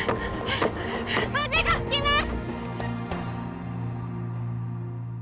風が吹きます！